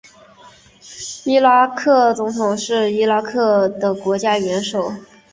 伊拉克总统是伊拉克的国家元首。